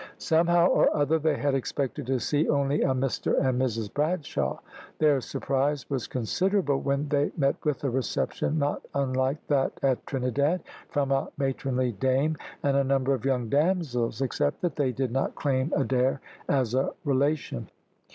Somehow or other they had expected to see only a Mr and Mrs Bradshaw. Their surprise was considerable when they met with a reception not unlike that at Trinidad, from a matronly dame and a number of young damsels; except that they did not claim Adair as a relation.